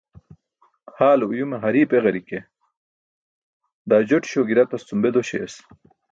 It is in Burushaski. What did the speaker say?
Haale uyume hari̇i̇p eġari̇ke daa joṭiśo gi̇ratas cum be dośayas